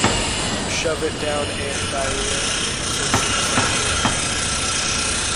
"Shove it down, Aunt Dahlia," I said sympathetically.